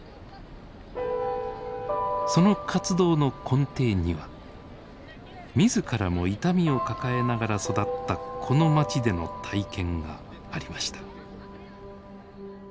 その活動の根底には自らも痛みを抱えながら育ったこの街での体験がありました。